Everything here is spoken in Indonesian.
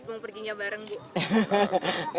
mau perginya bareng bu